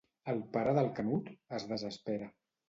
El pare del Canut es desespera.